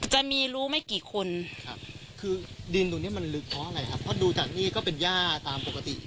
จะมีรู้ไม่กี่คนครับคือดินตรงนี้มันลึกเพราะอะไรครับเพราะดูจากนี่ก็เป็นย่าตามปกติ